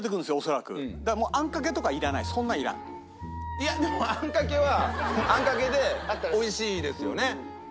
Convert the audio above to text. いやでもあんかけはあんかけでおいしいですよね。